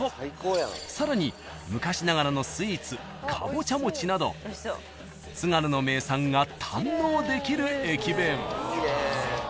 ［さらに昔ながらのスイーツカボチャ餅など津軽の名産が堪能できる駅弁］